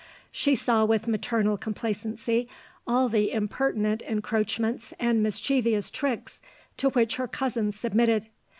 She saw with maternal complacency all the impertinent encroachments and mischievous tricks to which her cousins submitted.